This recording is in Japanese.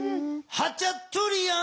ハチャトゥリアン。